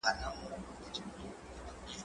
هغه څوک چي کالي وچوي منظم وي،